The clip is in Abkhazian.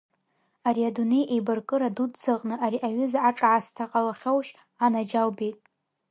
Ари адунеи еибаркыра дуӡӡаҟны ари аҩыза аҿаасҭа ҟалахьоушь, анаџьалбеит.